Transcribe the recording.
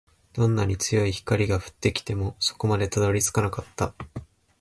どんなに強い光が降ってきても、底までたどり着かなかった